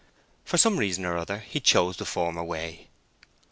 For some reason or other he chose the former way.